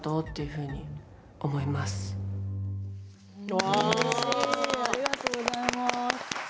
うれしいありがとうございます。